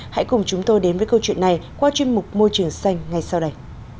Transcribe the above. hãy cùng chúng tôi đến với câu chuyện này qua chuyên mục môi trường xanh ngay sau đây